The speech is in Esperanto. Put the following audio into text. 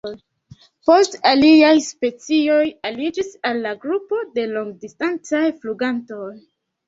Poste aliaj specioj aliĝis al la grupo de longdistancaj flugantoj.